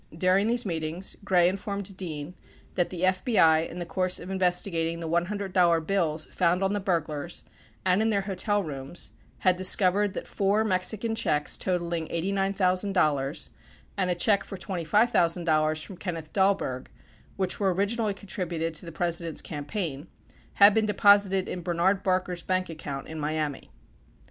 During these meetings Gray informed Dean that the FBI, in the course of investigating the $100 bills found on the burglars and in their hotel rooms, had discovered that four Mexican checks totaling $89,000 and a check for $25,000 from Kenneth Dahlberg, which were originally contributed to the President's campaign, had been deposited in Bernard Barker's bank account in Miami.